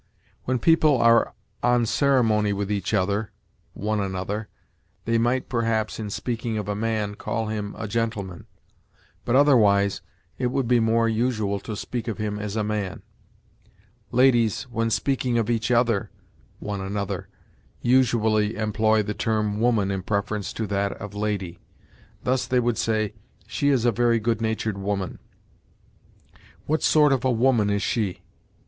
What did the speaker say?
When people are on ceremony with each other [one another], they might, perhaps, in speaking of a man, call him a gentleman; but, otherwise, it would be more usual to speak of him as a man. Ladies, when speaking of each other [one another], usually employ the term woman in preference to that of lady. Thus they would say, 'She is a very good natured woman,' 'What sort of a woman is she?'